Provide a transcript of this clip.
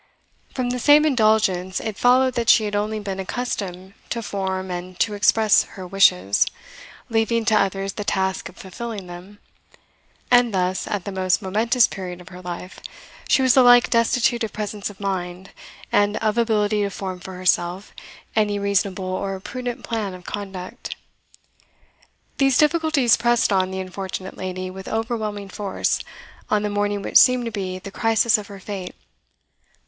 From the same indulgence it followed that she had only been accustomed to form and to express her wishes, leaving to others the task of fulfilling them; and thus, at the most momentous period of her life, she was alike destitute of presence of mind, and of ability to form for herself any reasonable or prudent plan of conduct. These difficulties pressed on the unfortunate lady with overwhelming force on the morning which seemed to be the crisis of her fate.